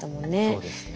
そうですね。